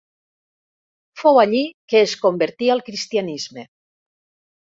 Fou allí que es convertí al cristianisme.